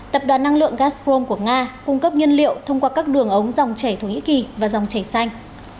tập đoàn năng lượng gasprom của nga cung cấp nhiên liệu thông qua các đường ống dòng chảy thổ nhĩ kỳ và dòng chảy xanh